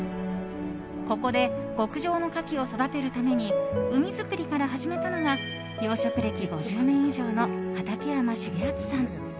ここで極上のカキを育てるために海づくりから始めたのが養殖歴５０年以上の畠山重篤さん。